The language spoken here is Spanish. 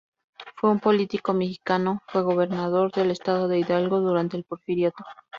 Fue un político mexicano, fue Gobernador del estado de Hidalgo durante el Porfiriato.